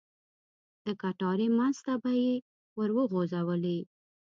د کټارې منځ ته به یې ور وغوځولې.